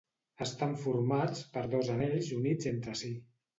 Estan formats per dos anells units entre si.